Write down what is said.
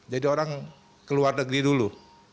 jadi orang keluar negeri dulu